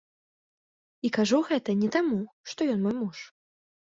І кажу гэта не таму, што ён мой муж.